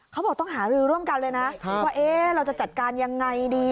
เขาบอกต้องหารือร่วมกันเลยนะว่าเราจะจัดการยังไงดี